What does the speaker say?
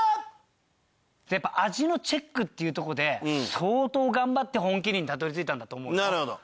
やっぱ味のチェックっていうとこで相当頑張って本麒麟にたどり着いたんだと思うよ。